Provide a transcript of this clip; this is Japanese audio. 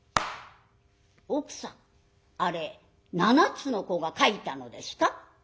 「奥さんあれ７つの子が書いたのですか？」。